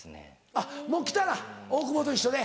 あっもう来たら大久保と一緒で。